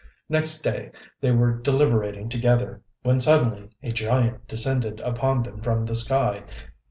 Next day they were deliberating together, when suddenly a giant descended upon them from the sky.